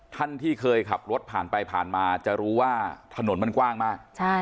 ท่านที่เคยขับรถผ่านไปผ่านมาจะรู้ว่าถนนมันกว้างมาก